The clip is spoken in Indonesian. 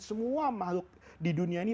semua makhluk di dunia ini